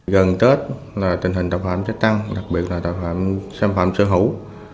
gần tết là tình hình tội phạm trách tăng đặc biệt là tội phạm sản phẩm sở hữu